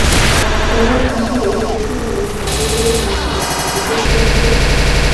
পরান আসিলে শশী বলে, যাব বলে দিয়েছিলাম, বাড়িতে ছিলে না যে?